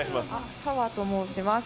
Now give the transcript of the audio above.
サワと申します。